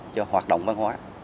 cho hoạt động văn hóa